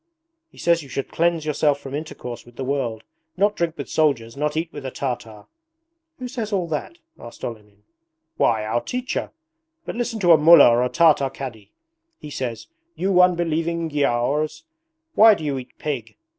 He says you should cleanse yourself from intercourse with the world, not drink with soldiers, not eat with a Tartar.' 'Who says all that?' asked Olenin. 'Why, our teacher! But listen to a Mullah or a Tartar Cadi. He says, "You unbelieving Giaours, why do you eat pig?"